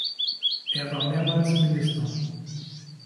Er war mehrmals Minister.